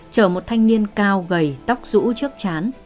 chờ một thanh niên cao gầy tóc rũ chất chán